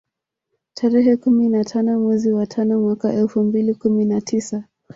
Tarehe kumi na tano mwezi wa tano mwaka elfu mbili kumi na tisa